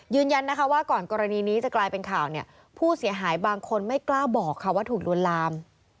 ยืนยันนะคะว่าก่อนกรณีนี้จะกลายเป็นข่าวเนี่ยผู้เสียหายบางคนไม่กล้าบอกค่ะว่าถูกลวนลาม